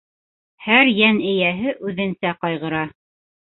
...Һәр йән эйәһе үҙенсә ҡайғыра.